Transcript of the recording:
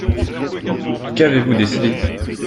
Qu’avez-vous décidé ?